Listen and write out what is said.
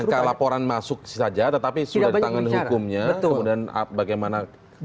ketika laporan masuk saja tetapi sudah ditangani hukumnya kemudian bagaimana